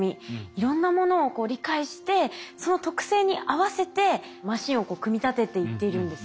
いろんなものを理解してその特性に合わせてマシンを組み立てていってるんですね。